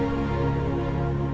saya akan meminta panggilan